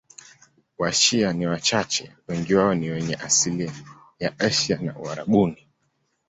Washia ni wachache, wengi wao ni wenye asili ya Asia au Uarabuni.